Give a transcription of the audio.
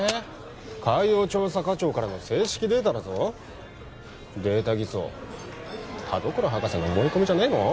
海洋調査課長からの正式データだぞデータ偽装田所博士の思い込みじゃねえの？